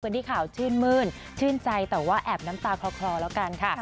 ที่ข่าวชื่นมื้นชื่นใจแต่ว่าแอบน้ำตาคลอแล้วกันค่ะ